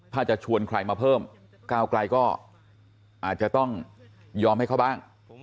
ถ้าจะชวนใครมาเพิ่มก้าวไกลก็อาจจะต้องยอมให้เขาบ้าง